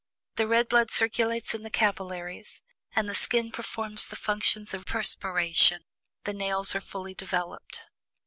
The red blood circulates in the capillaries, and the skin performs the functions of perspiration; the nails are fully developed."